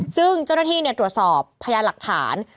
ซึ่งเจ้าหน้าที่ตรวจสอบพยานหลักฐาน